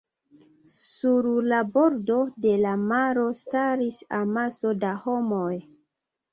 Sur la bordo de la maro staris amaso da homoj.